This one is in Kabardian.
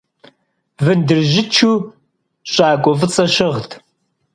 Вындыржьычу щӏакӏуэ фӏыцӏэ щыгът.